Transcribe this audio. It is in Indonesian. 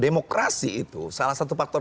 demokrasi itu salah satu faktor